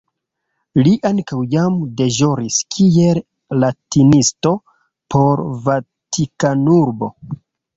Li ankaŭ jam deĵoris kiel latinisto por Vatikanurbo.